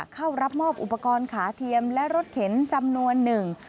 เข้ารับมอบอุปกรณ์ขาเทียมและรถเข็นจำนวนหนึ่ง